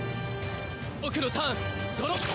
僕のターンドロー！